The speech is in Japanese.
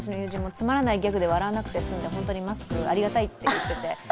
つまらないギャグで笑わなくて済んでマスクありがたいって。